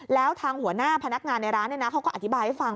แล้วทางหัวหน้าพนักงานในร้านเขาก็อธิบายให้ฟัง